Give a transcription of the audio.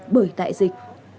bởi đại dịch